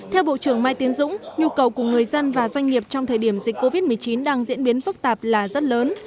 theo bộ trưởng mai tiến dũng nhu cầu của người dân và doanh nghiệp trong thời điểm dịch covid một mươi chín đang diễn biến phức tạp là rất lớn